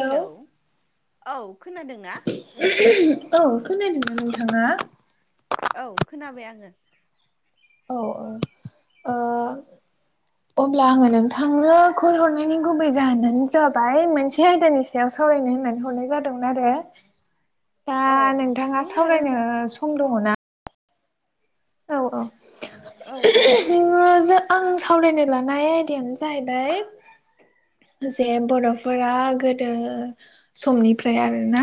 Hello औ खोनादोंना? औ खोनादोमोना नोंथाङा? औ खोनाबाय आङो औ ओ ओ अब्ला आङो नोंथांनो कल हरनायनि गुबै जाहोनानो जाबाय मोनसे आयदानि सायाव सावरायनो होननानै हरनाय जादोंमोन आरो दा अ नोंथाङा बुंनो हागोन सावरायनो नोंथां सम दङना? औ औ औ हागोन [unintelligible] आं सावरायनो लानाय आयदायानो जाहैबाय [inaudible] जे बर'फोरा गो दो समनिफ्राय आरोना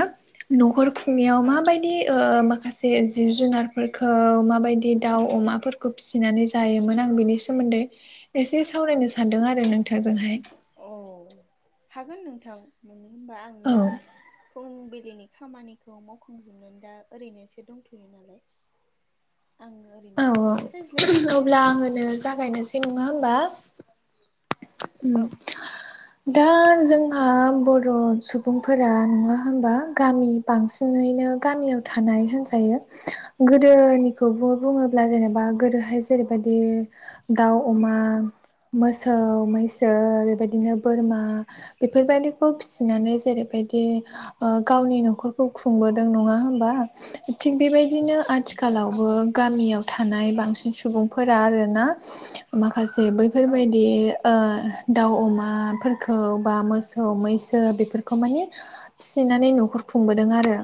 नखर खुंनायाव औ माबाय दि ओ माखासे जिब जुनारफोरखौ मा बायदि दाउ अमाफोरखौ फिसिनानै जायोमोन आं बिनि सोमोनदै एसे सावरायनो सानदों आरो नोंथांजोंहाय। औ हागोन नोंथां मानो होमबा आं औ दा फुंबिलिनि खामानिखौ मावखांजुबनानै दा ओरैनोसो दंथ'यो नालाय आङो औ ओरैनो औ दंखायो रायज्लायनो हागोन। अब्ला आङोनो जागायनोसै नङा होमबा उम दा जों हा बर' सुबुंफोरा नङा होमबा गामि बांसिनैनो गामियाव थानाय होनजायो गोदोनिखौबो बुङोब्ला जेनेबा गोदोहाय जेरैबादि दाउ, अमा, मोसौ, मैसो बेबायदिनो बोरमा बेफोरबायदिखौ फिसिनानै जेरैबायदि ओ गावनि नखरखौ खुंबोदों नङा होमबा? थिग बेबायदिनो आथि खालावबो औ गामियाव थानाय बांसिन सुबुंफोरा आरोना माखासे औ बैफोरबायदि ओ दाउ अमाफोरखौ बा मोसौ मैसो बेफोरखौ मानि फिसिनानै न'खर खुंबोदों आरो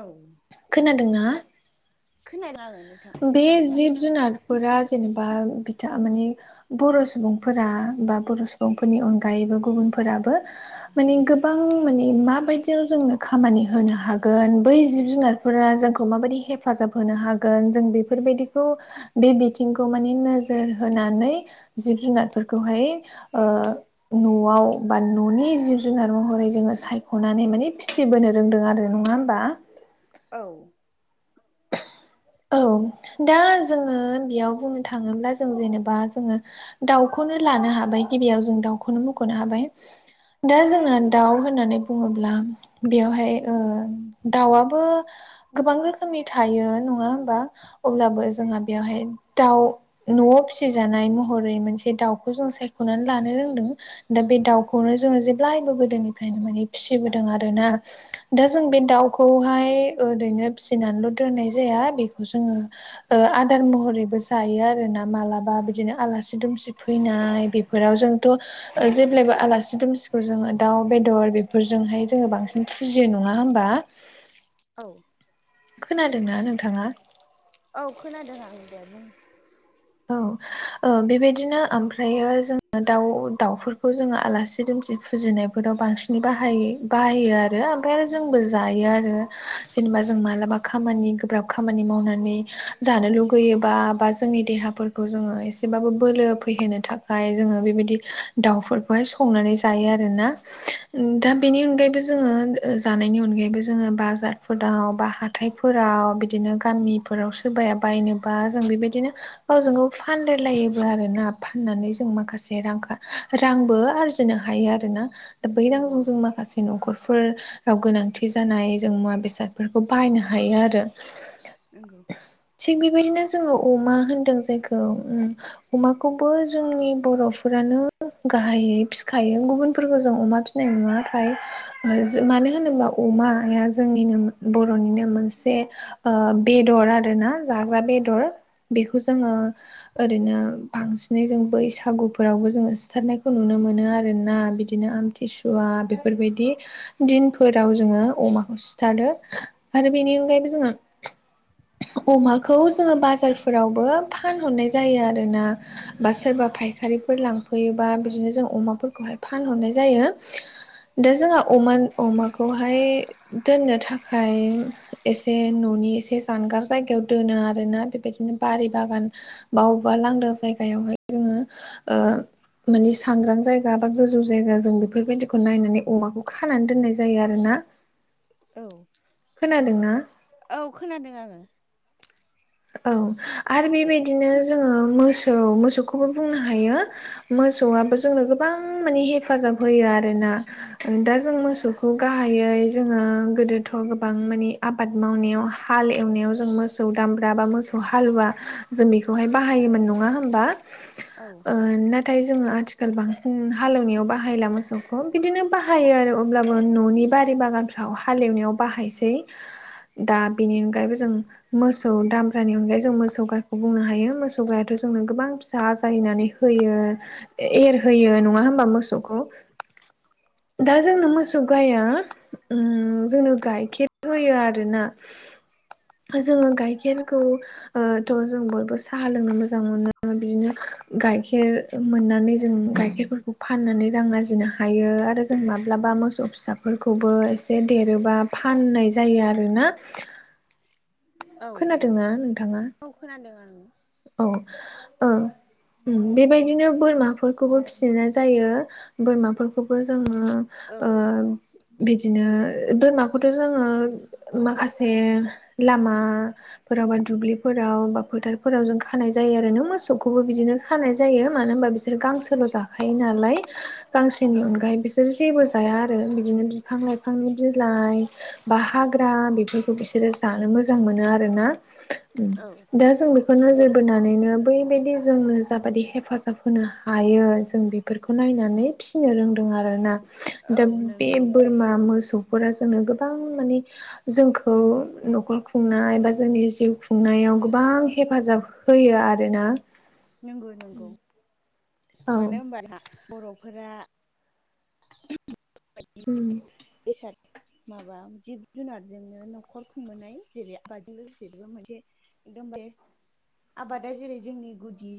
औ। खोनादों ना? खोनादों आङो नोंथां मोजाङैनो खोनागासिनो फोरा जेनेबा बिथा माने बर' सुबुंफोरा बा बर' सुबुंफोरनि अनगायैबो गुबुनफोराबो माने गोबां माने माबायदियाव जोंनो खामानि होनो हागोन बै जिब जुनार फोर जोंखौ माबायदि हेफाजाब होनो हागोन जों बेफोरबायदिखौ बे‌ बि थिंखौ माने नोजोर होनानै जिब जुनारफोरखौहाय ओ न'आव बा न'नि जिब जुनार महरै जोङो सायख'नानै माने फिसि फिसिबोनो रोंदों आरो नङा होमबा? औ। औ दा जोङो बेयाव बुंनो थाङोब्ला जों जेनेबा जोङो दाउखौनो लानो हाबाय गिबियाव जों दाउखौनो मख'नो हाबाय। दा जोंना दाउ होननानै बुङोब्ला बेवहाय ओ दाउआबो गोबां रोखोमनि थायो नङा होमबा? अब्लाबो जोंहा बेवहाय दाउ न'आव फिसिजानाय महरै मोनसे दाउखौ जों सायख'नानै लानो रोंदों। दा बे दाउखौनो जोङो जेब्लायबो गोदोनिफ्रायनो माने फिसिबोदों आरोना। दा जों बे दाउखौहाय ओरैनो फिसिनानैल' दोननाय जाया बेखौ जोङो ओ आदार महरैबो जायो आरो ना मालाबा बिदिनो आलासि दुमसि फैनाय बे फोराव जोंथ' ओ जेब्लायबो आलासि दुमसिखौ जोङो दाउ बेदर बेफोरजोंहाय जोङो बांसिन फुजियो नङा होमबा? औ। खोनादोंना नोंथाङा? औ खोनादों आं दे बुं। औ ओ बेबायदिनो ओमफ्रायो जोङो दाउ दाउफोरखौ जोङो आलासि दुमसि फुजिनायफोराव बांसिनै बाहायो बाहायो आरो ओमफ्राय आरो जोंबो जायो आरो। जेनेबा जों मालाबा खामानि गोब्राब खामानि मावनानै जानो लुुगैयोबा बा जोंनि देहा फोरखौ जोङो एसेबाबो बोलो फैहोनो थाखाय जोङो बेबायदि दाउफोर खौहाय संनानै जायो आरोना। दा बेनि अनगायैबो जोङो ओ जानायनि अनगायैबो जोङो बाजारफोराव बा हा थायफोराव बिदिनो गामिफोराव सोरबाया बायनोबा जों बेबायदिनो गावजों गाव फानलायलायोबो आरो ना फाननानै जों माखासे रांखा रांबो आरजिनो हायो आरो ना दा बै नंगौ रांजों जों माखासे न'खरफोर राव गोनांथि जानाय जों मुवा बेसादफोरखौ बाहायनो हायो आरो। नंगौ। थिग बेबायदिनो जोंङो अमा होनदों जायखौ अमाखौबो जोंनि बर'फोरानो गाहायै फिखायो गुबुनफोरखौ जों अमा सिनाय नुवाथाय मानो होनोबा अमाया जोंनिनो बर'निनो मोनसे बेदर आरो ना जाग्रा बेदर बेखौ जोंङो ओरैनो बांसिनै जों बैसागुफोरावबो जोङो सिथारनायखौ नुनो मोनो आरोना बिदिनो आमथि आमथिसुवा बेफोरबायदि दिनफोराव जोंङो अमाखौ सिथारो आरो बेनि अनगायैबो जोंङो अमाखौ जोंङो बाजारफोरावबो फानहरनाय जायो आरोना बा सोरबा फायखारिफोर लांफैयोबा बिदिनो जों अमाफोरखौहाय फानहरनाय जायो दा जोंहा अमा अमाखौहाय दोननो थाखाय एसे न'नि एसे जानगार जायगायाव दोनो आरोना बेबायदि बिदिनो बारि बागान बा अबेबा लांदां जायगायावहाय जोङो ओ मानि सांग्रां जायगा बा गोजौ जायगा जों बेफोरबायदिखौ नायनानै अमाखौ खानानै दोननाय जायो आरो ना [inaudible] औ औ खोनादों आंङो औ आरो बेबायदिनो खोना जोङो मोसौ मोसौखौबो बुंनो हायो मोसौआबो जोंनो गोबां माने हेफाजाब होयो आरोना दा जों मोसौखौ गाहायै जोंङो गोदोथ' गोबां माने आब मावनायाव हाल एवनायाव जों मोसौ दाम माबा मोसौ हालुवा जों बेखौहाय बाहायोमोन नंङा होमबा औ ओ नाथाय जोंङो आथिखाल बांसिन हालेवनायाव बाहायला मोसौखौ बिदिनो बाहायो आरो अब्लाबो न'नि बारि बागानफ्राव हालेवनायाव बाहायसै दा बेनि अनगायैबो जों मोस मोसौ दामब्रानि अनगायै जों मोसौ गायखौ बुंनो हायो मोसौ गायाथ' जोंनो गोबां फिसा आजायनानै होयो एरहोयो नङा होमबा मोसौखौ दा जोंनो औ मोसौ गाया उम जोंनो गाइखेर होयो आरो ना जोंङो गायखेर गाइखेरखौ ओ थ' जों बयबो साहा लोंनो मोजां मोनो बिदिनो गाइखेर मोननानै जों गाइखेरफोरखौ फाननानै रां आरजिनो हायो आरो जों माब्लाबा मोसौ फिसा बेफोरखौबो एसे देरोबा फाननाय जायो आरोना औ खोनादोंना नोंथाङा औ खोनादों आङो औ ओ उम बेबायदिनो बोरमाफोरखौबो फिसिनाय जायो बोरमाफोरखौबो जोंङो औ ओ बिदिनो बोरमाखौथ' जोंङो माखासे लामा फोराव बा दुब्लिफोराव बा फोथार फोराव जों खानाय जायो आरो नों मोसौखौबो बिदिनो खानाय जायो मानो होनबा बिसोर गांसोल' जाखायो नालाय गांसेनि औ अनगायै बिसोर जेबो जाया आरो बिदिनो बिफां लाइफांनि बिलाइ बा हाग्रा बेफोरखौ बिसोरो जानो मोजां मोनो आर ना औ दा जों बेखौ बेखौ नोजोर बोनानैनो बैबायदि जोंङो जाबाददि हेफाजाब होनो हायो जों बे बेफोरखौ नायनानै फिसिनो रोंदों आरोना औ दा बे नंगौ बोरमा मोसौ जोङो गोबां माने जोंखौ न'खर खुंनाय बा जोंनि जिउ खुंनायाव गोबां हेफाजाब होयो आरोना नोंगौ नोंगौ औ मानो होनबा बर'फोरा उम [unintelligible] बेसाद माबा जिब जुनारजोंनो न'खर खुंबोनाय जेरै आबादों लोगोसे बेबो मोनसे एकदम दे आबादा जेरै जोंनि गुदि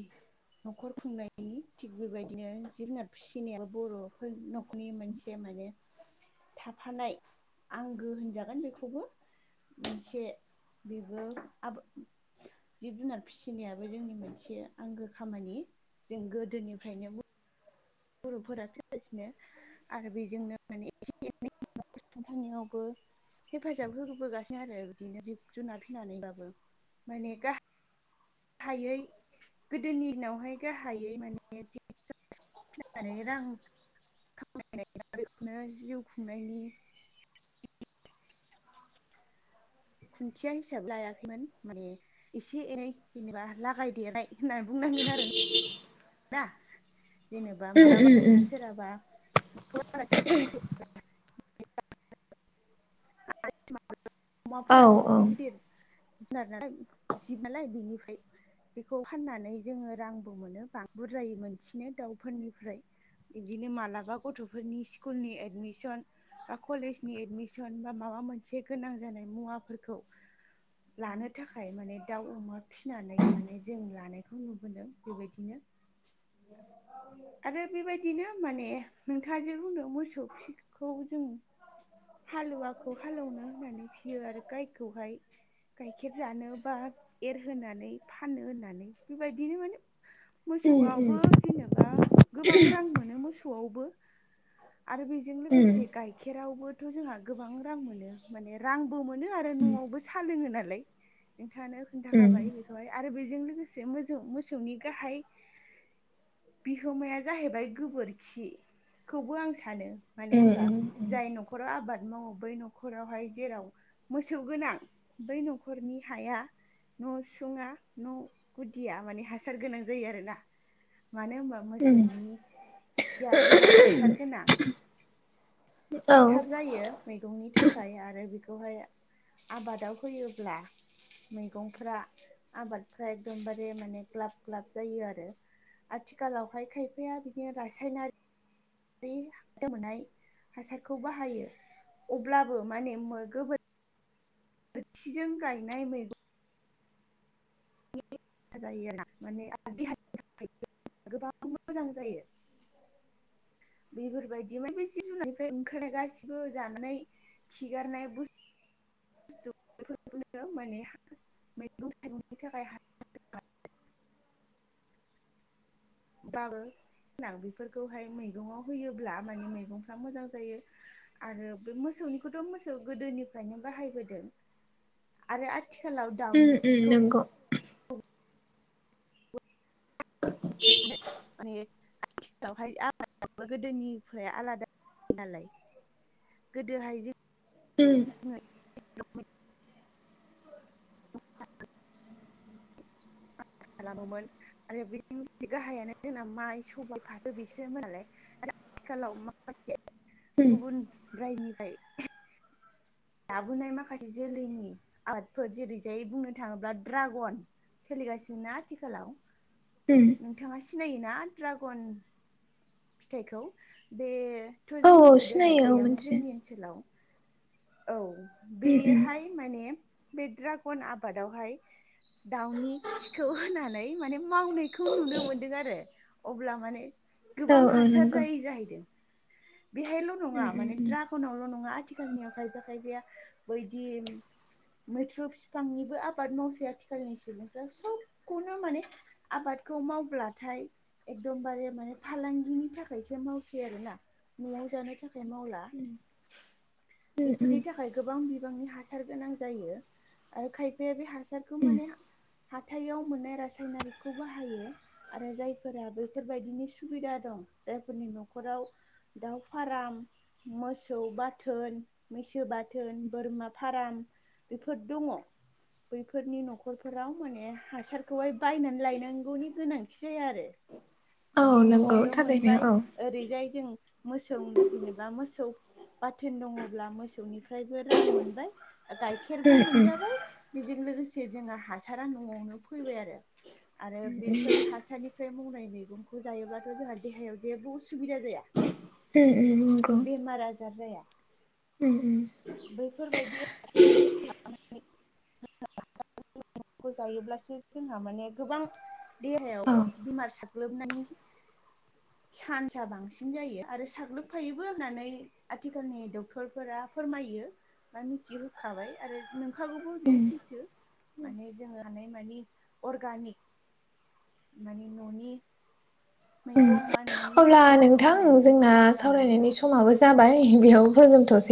न'खर खुंनायनि थिग बेबायदिनो जि जुनार फिसिनायाबो बर'फोर न'खरनि मोनसे माने थाफानाय आंगो होनजागोन बेखौबो मोनसे बेबो आबाद जिब जुनार फिसिनायाबो जोंनि मोनसे आंगो खामानि जों गोदोनिफ्रायनो बर'फोरा फिगासिनो आरो बेजोंनो माने एसे एनै [unintelligible] थांनायावबो हेफाजाब होबोगासिनो आरो बिदिनो जिब जुनार फिनानैबाबो माने गा हायै गोदोनि दिनावहाय गाहायै माने [unintelligible] रां [unintelligible] बेखौनो जिउ खुंनायनि खुन्थिया हिसाब लायाखैमोन माने एसे एनै जेनेबा लागाय देरनाय होननानै बुंनांगोन आरो ना जेनेबा उम मालाबा उम जोंहा उम सोरहाबा [unintelligible] औ उम अमाफोराथ' एसे गिदिर जुनार नालाय जिब नालाय बिनिफ्राय बेखौ फाननानै जोङो रांबो मोनो बुरजायै मोनसिनो दाउफोरनिफ्राय बिदिनो मालाबा गथ'फोरनि स्कुलनि एदमिसन बा कलेजनि एदमि सन बा माबा मोनसे गोनां जानाय मुवाफोरखौ लानो थाखाय माने दाउ अमा फिसिनानै माने जों लानायखौ नुबोदों बेबायदिनो आरो बेबायदिनो माने नोंथाङा जे बुंदों मोसौ फिखौ जों हालुवाखौ हालौनो होनानै फियो आरो गायखौहाय गाइखेर जानो बा एरहोनानै फानो होननानै बेबायदिनो माने उम उम मोसौआवबो जेनेबा गोबां रां मोनो मोसौआवबो आरो बि जों लोगोसे गाय खेरावबोथ' जोंहा गोबां रां मोनो माने रांबो मोनो आरो न'आवबो सा लोङो नालाय नोंथाङानो खोन्थाखाबाय बेखौहाय आरो बेजों लोगोसे मोसौ मोसौनि गाहाय खोमाया जाहैबाय गोबोरखिखौबो आं सानो मानो होनबा जाय न'खर राव आबाद मावो बै न'खरावहाय जेराव मोसौ गोनां बै न'खरनि हाया न' सुङा न' गुदिया माने हासार गोनां जायो आरोना मानो होनबा उम मोसौनि खिया गोबां हासार गोनां औ हासार जायो मैगंनि थाखाय आरो बेखौहाय आबादाव होयोब्ला मैगंफ्रा आबादफ्रा एकदमबारे माने ग्लाब ग्लाब जायो आरो। आथिखालावहाय खायफाया बिदि रासायनारि बै गोमोनाय हासारखौ बाहायो अब्लाबो माने गो बोरखिजों गायनाय मैगं जायो माने आ [unintelligible] देहानि थाखायबो गोबां मोजां जायो। बेफोरबायदि ओफ्राय [unintelligible] बे जिब जुनारनिफ्राय ओंखारनाय गासिबो जाना नायो। खिगारनाय बुस [unintelligible] माने मैगं थाइगंनि थाखाय बाबो गोनां बेफोरखौहाय मैगङाव होयोब्ला माने मैगंफ्रा मोजां जायो। आरो बे मोसौनिखौथ' मोसौ गोदोनिफ्रायनो बाहायबोदों आरो आ आथिखालाव उम दाउनि उम खिखौ नंगौ [inaudible] माने आथिखालावहाय आबादाबो गोदोनिफ्राय आलादा नालाय। गोदोहाय जे उम खालामोमोन आरो बेजों गाहायानो जोंना माइ सबायाइ फाथो बिसोमोन नालाय। आरो आथिखालाव माखासे उम गुबुन रायजोनिफ्राय लाबोनाय माखासे जोलैनि आर्टफोर जेरैजाय बुंनो थाङोब्ला ड्रागन सोलिगासिनो ना आथिखालाव उम नोंथाङा सिनायोना ड्रागन फिथाइखौ बेथ' औ जोंनि औ गोदोहाय सिनायो औ गैयामोन मोनथियो जोंनि ओनसोलाव औ उम उम बेयोहाय माने बे द्रागन आबादावहाय दाउनि खिखौ होनानै माने मावनायखौ नुनो मोनदों आरो अब्ला माने औ गोबां हासार नंगौ जायै जाहैदों बेहायल' नङा उम उम माने उम द्राग नावल' नङा आथिखालनियाव खायफा खायफाया बैदि मैथ्रु बिफांनिबो आबाद मावसै आथिखालनि सुबुंफ्रा सबखौनो माने आबादखौ मावब्लाथाय एकदमबारे माने फालांगिनि थाखायसो मावसै आरो ना न'आव जानो थाखाय मावला। उम बेफोरनि था उम खाय गोबां बिबांनि हासार गोनां जायो आरो खायफाया बे हासारखौ उम माने हाथायाव मोननाय रासायनारिकखौ बाहायो आरो जायफोरा बेफोरबायदिनि स सुबिदा दं जायफोरनि न'खराव दाउ फारम मोसौ बाथोन मैसो बाथोन बोरमा फार्म बेफोर दङ बैफोरनि न'खरफोराव माने हासारखौहाय बायनानै लायनांगौनि गोनांथि जाया आरो औ माने नंगौ न'आवनो थारैनो मोनबाय औ ओरैजाय जों मोसौ जेनेबा मोसौ बाथोन दङब्ला मोसौनिफ्रायबो रां मोनबाय गखयैऋ खेरबो उम उम मोनजाबाय बेजों लोगोसे जोंहा हासारा न'आवनो फैबाय आरो आरो बेफोर हासारनिफ्राय मावनाय मैगं खौ जायोब्लाथ' जोंहा देहायाव जेबो उसुबिदा जाया उम नंगौ बेमार आजार जाया [unintelligible] बैफोरबायदि [unintelligible] [unintelligible] माइरंखौजायोब्लासो जोंहा माने गोबां देहायाव औ उम बेमार साग्लोबनानै [inaudible] सान्सा बांसिन जायो आरो साग्लोबखायोबो होननानै आथिखालनि डक्टरफोरा फोरमायो बा मिथिहोखाबाय आरो नोंखागौबो बेयो सैथो माने जोङो हानाय मानि अरगानिक मानि न'नि मैगं बा न'नि अब्ला हासारजों नोंथां मावनाय जोंना मैगंखौ जानांगौ सावरायनायनि सम समाबो जाबाय बेयाव फोजोबथ'सै